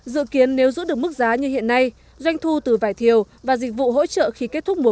dự kiến nếu giữ được mức giá như hiện nay doanh thu từ vải thiêu và dịch vụ hỗ trợ khi kết thúc một năm